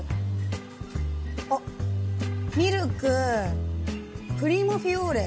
ミルクプリモフィオーレ。